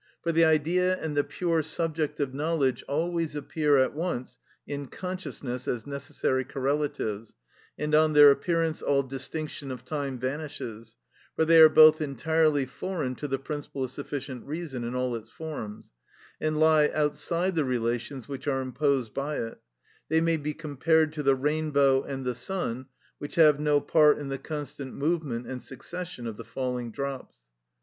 For the Idea and the pure subject of knowledge always appear at once in consciousness as necessary correlatives, and on their appearance all distinction of time vanishes, for they are both entirely foreign to the principle of sufficient reason in all its forms, and lie outside the relations which are imposed by it; they may be compared to the rainbow and the sun, which have no part in the constant movement and succession of the falling drops.